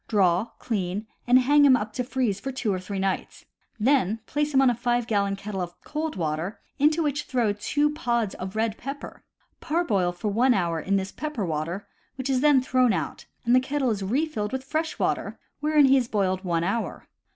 Draw, clean, and hang him up to freeze for two or three nights. Then place him in a 5 gallon kettle of cold water, into which throw two pods of red pepper. Parboil for one hour in this pepper water, which is then thrown out and the kettle is refilled with fresh water, wherein he is boiled one hour.